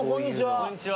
こんにちは。